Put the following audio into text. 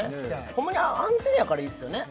ホンマに安全やからいいですよね